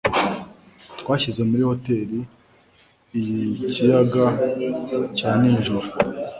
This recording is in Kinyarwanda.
Twashyize muri hoteri yi kiyaga cya nijoro.